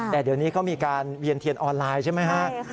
แต่เดี๋ยวนี้เขามีการเวียนเทียนออนไลน์ใช่ไหมฮะ